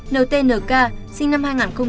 ntnk sinh năm hai nghìn một